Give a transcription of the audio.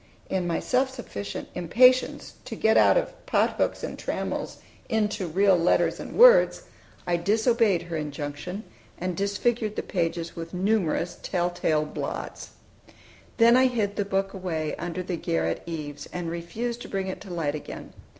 In my self sufficient impatience to get out of "pothooks and trammels" into real letters and words I disobeyed her injunction, and disfigured the pages with numerous tell tale blots. Then I hid the book away under the garret eaves, and refused to bring it to light again.